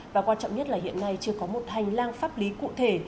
và quan trọng nhất là hiện nay chưa có một hành lang pháp lý cụ thể